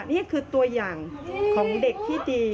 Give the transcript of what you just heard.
นี่คือตัวอย่างของเด็กที่ดี